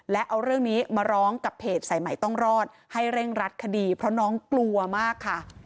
และเอาเรื่องนี้มาร้องกับเพจสายใหม่ต้องรอดให้เร่งรัดคดีเพราะน้องกลัวมากค่ะ